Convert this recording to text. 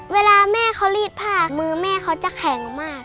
เวลาแม่เขารีดผ้ามือแม่เขาจะแข็งมาก